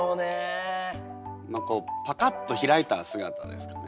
何かパカッと開いたすがたですかね。